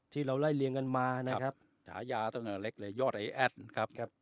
ที่เราไล่เลียงกันมานะครับฉายาตั้งแต่เล็กเลยยอดไอแอดนะครับครับ